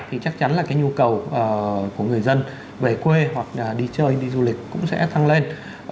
thì chắc chắn là cái nhu cầu của người dân về quê hoặc là đi chơi đi du lịch cũng sẽ tăng lên